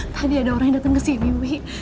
tadi ada orang datang kesini wih